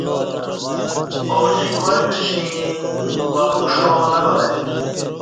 ا جیک وعجو شیݩگی ولوک ݜاں نہ بلہ ای